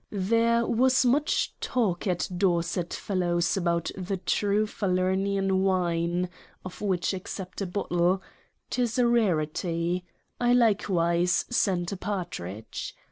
There was much talk at Dorset Fellowes's about the true Falernian wine, of which accept a Bottle: 'Tis a rarity ; I likewise send a Partridge.